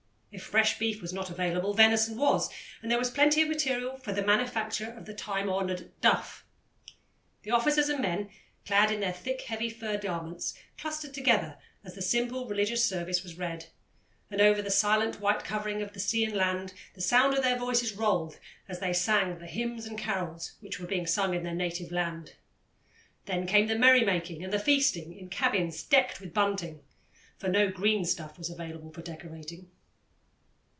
If fresh beef was not available, venison was, and there was plenty of material for the manufacture of the time honoured "duff." The officers and men, clad in their thick, heavy fur garments, clustered together as the simple religious service was read, and over the silent white covering of sea and land the sound of their voices rolled as they sang the hymns and carols which were being sung in their native land. Then came the merrymaking and the feasting in cabins decked with bunting, for no green stuff was available for decorating.